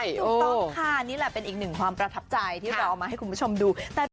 ถูกต้องค่ะนี่แหละเป็นอีกหนึ่งความประทับใจที่เราเอามาให้คุณผู้ชมดู